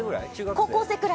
高校生ぐらい？